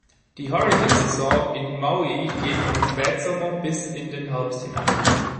Die Hurrican-Saison in Maui geht vom Spätsommer bis in den Herbst hinein.